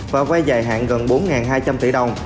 và vay dài hạn gần bốn hai trăm linh tỷ đồng